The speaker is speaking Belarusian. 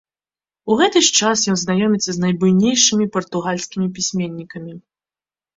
У гэты ж час ён знаёміцца з найбуйнейшымі партугальскімі пісьменнікамі.